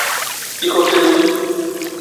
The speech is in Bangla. কী করতে তুমি।